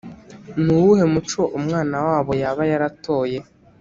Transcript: Ni uwuhe muco umwana wabo yaba yaratoye?